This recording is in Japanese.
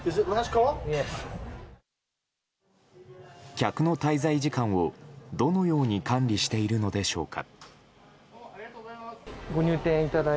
客の滞在時間をどのように管理しているのでしょうか。